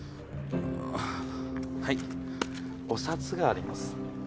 はいお札があります。